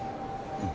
うん。